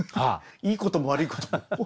いいことも悪いことも。